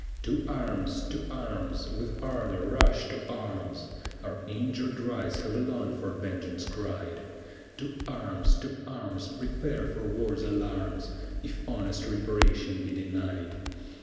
To arms, to arms, with ardor rush to arms, Our injured rights have long for vengeance cried. To arms, to arms, prepare for war's alarms, If honest reparation be denied.